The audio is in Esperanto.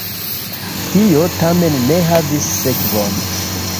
Tio tamen ne havis sekvon.